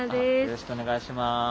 よろしくお願いします。